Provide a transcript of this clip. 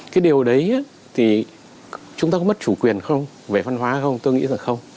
cái điều đấy thì chúng ta có mất chủ quyền không về văn hóa hay không tôi nghĩ rằng không